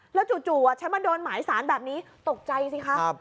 แล้วจู่จู่อ่ะฉันมาโดนหมายสารแบบนี้ตกใจสิค่ะครับ